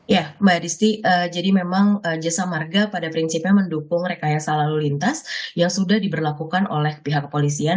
ya mbak distri jadi memang jasa marga pada prinsipnya mendukung rekayasa lalu lintas yang sudah diberlakukan oleh pihak kepolisian